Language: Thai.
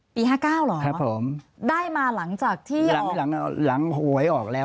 ปี๕๙หรือได้มาหลังจากที่หลังหวยออกแล้ว